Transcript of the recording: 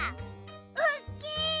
おっきい！